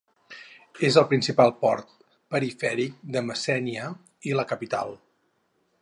És el principal port perifèric de Messènia i la capital.